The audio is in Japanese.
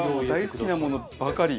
大好きなものばかり！